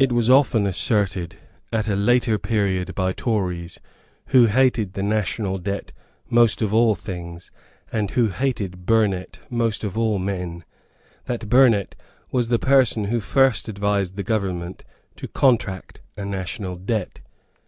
It was often asserted at a later period by Tories, who hated the national debt most of all things, and who hated Burnet most of all men, that Burnet was the person who first advised the government to contract a national debt.